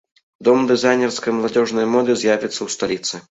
Дом дызайнерскай маладзёжнай моды з'явіцца ў сталіцы.